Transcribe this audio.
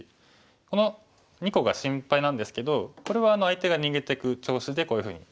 この２個が心配なんですけどこれは相手が逃げていく調子でこういうふうに。